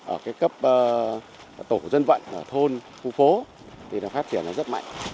ở cái cấp tổ dân vận ở thôn khu phố thì nó phát triển rất mạnh